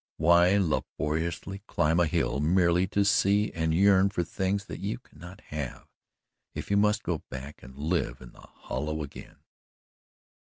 Why laboriously climb a hill merely to see and yearn for things that you cannot have, if you must go back and live in the hollow again?